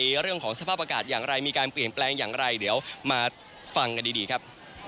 เรื่องของสภาพอากาศอย่างไรมีการเปลี่ยนแปลงอย่างไรเดี๋ยวมาฟังกันดีครับ